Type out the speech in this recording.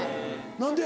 何で？